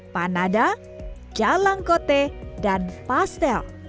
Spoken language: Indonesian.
panada jalangkote dan pastel